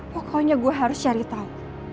pokoknya gue harus cari tahu